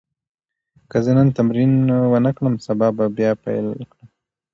که زه نن تمرین ونه کړم، سبا به بیا پیل کړم.